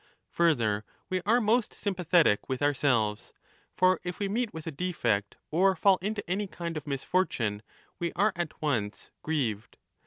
Further, we are most sympathetic with ourselves ; for if we meet with a defeat or fall into any kind of misfortune, we are at once grieved.